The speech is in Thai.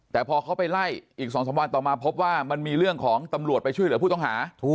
แต่พอเขาไปไล่อีก๒๓วันต่อมาพบว่ามันมีเรื่องของตำรวจไปช่วยเหลือผู้ต้องหา